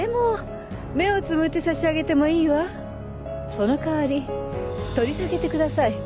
その代わり取り下げてください。